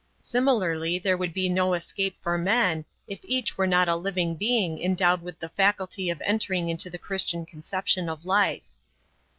Similarly there would be no escape for men, if each were not a living being endowed with the faculty of entering into the Christian conception of life.